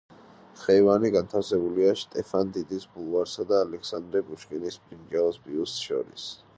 ხეივანი განთავსებულია შტეფან დიდის ბულვარსა და ალექსანდრე პუშკინის ბრინჯაოს ბიუსტს შორის.